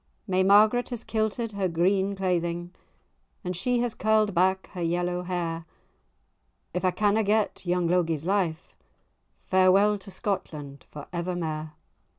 May Margaret has kilted her green cleiding,[#] And she has curl'd back her yellow hair— "If I canna get young Logie's life, Farewell to Scotland for evermair."